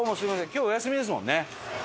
今日お休みですもんね。